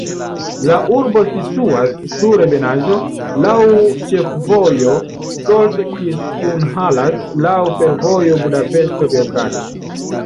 La urbo situas sur ebenaĵo, laŭ ĉefvojo Solt-Kiskunhalas, laŭ fervojo Budapeŝto-Beogrado.